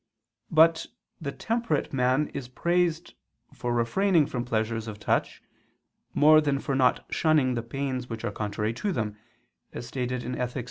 But the temperate man is praised for refraining from pleasures of touch, more than for not shunning the pains which are contrary to them, as is stated in _Ethic.